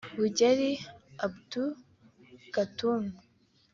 Bugweri Abdu Katuntu